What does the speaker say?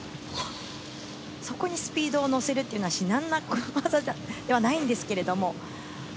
そこにスピードを乗せるのは至難の業ではないんですけど。